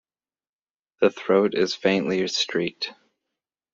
The throat is faintly streaked.